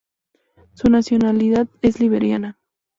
Su nacionalidad es liberiana.